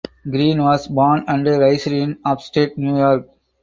Green was born and raised in Upstate New York.